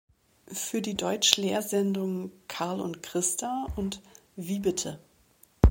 Für die Deutsch-Lehrsendungen "Karl und Christa" und "Wie bitte?